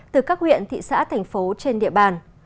từ các huyện thị xã thành phố trên địa bàn